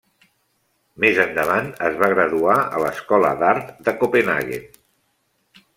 Més endavant es va graduar a l'Escola d'Art de Copenhaguen.